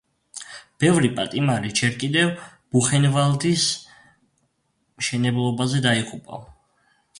ბევრი პატიმარი ჯერ კიდევ ბუხენვალდის მშენებლობაზე დაიღუპა.